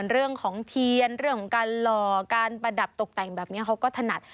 เรื่องของเทียนเรื่องของการหล่อการประดับตกแต่งแบบนี้เขาก็ถนัด